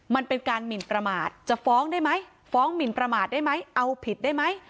มันเป็นการหมินประมาทจะฟ้องได้ไหมฟ้องหมินประมาทได้ไหมเอาผิดได้ไหม